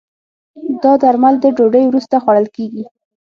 دا درمل د ډوډی وروسته خوړل کېږي.